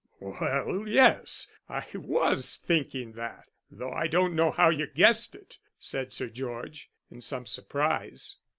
"Well, yes, I was thinking that, though I don't know how you guessed it," said Sir George, in some surprise.